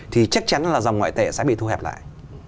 thì chắc chắn là dòng ngoại tệ sẽ bị thu hẹp lại